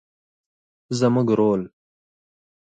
زموږ رول